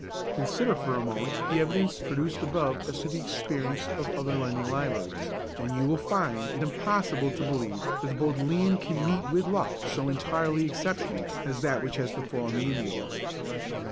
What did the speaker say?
Consider for a moment the evidence produced above as to the experience of other lending libraries, and you will find it impossible to believe that the Bodleian can meet with luck so entirely exceptional as that which has befallen the India Office.